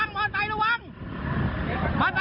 กระทั่งตำรวจก็มาด้วยนะคะ